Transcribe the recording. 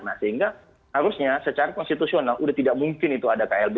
nah sehingga harusnya secara konstitusional sudah tidak mungkin itu ada klb